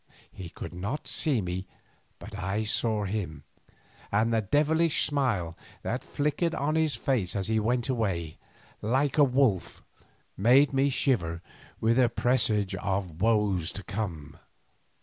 He could not see me, but I saw him, and the devilish smile that flickered on his face as he went away like a wolf, made me shiver with a presage of woes to come.